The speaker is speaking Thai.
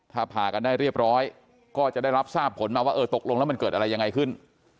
ถ้าผ่ากันได้เรียบร้อยก็จะได้รับทราบผลมาว่าเออตกลงแล้วมันเกิดอะไรยังไงขึ้น